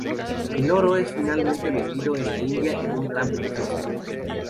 El oro es finalmente vendido en la India en un gran beneficio.